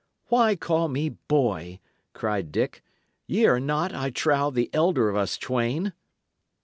"Why call me 'boy'?" cried Dick. "Y' are not, I trow, the elder of us twain."